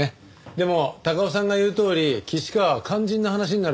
でも高尾さんが言うとおり岸川は肝心な話になると口を閉ざすんですよ。